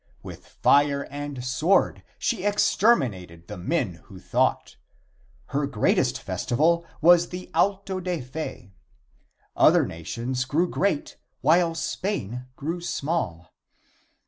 With fire and sword she exterminated the men who thought. Her greatest festival was the Auto da Fe. Other nations grew great while Spain grew small.